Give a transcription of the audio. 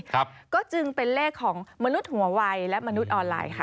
ครับก็จึงเป็นเลขของมนุษย์หัววัยและมนุษย์ออนไลน์ค่ะ